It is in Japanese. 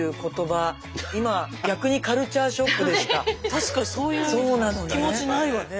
確かにそういう気持ちないわね。